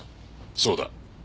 そうだ。